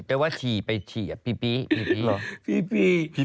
แปลว่าฉี่ไปฉี่พีพีพี